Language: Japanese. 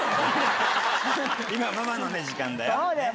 今ママの時間だよ。